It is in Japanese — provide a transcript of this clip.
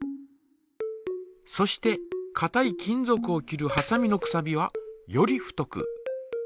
そしてかたい金ぞくを切るはさみのくさびはより太く。